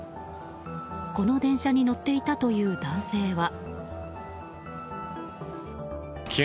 この電車に乗っていたという男性は。